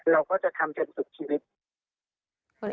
เราก็จะทำจนสุดชีวิต